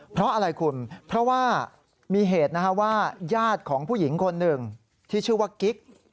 เพราะอะไรคุณเพราะว่ามีเหตุว่าญาติของผู้หญิงคนหนึ่งที่ชื่อว่ากิ๊ก